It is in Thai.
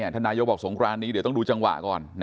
ท่านนายกบอกสงครานนี้เดี๋ยวต้องดูจังหวะก่อน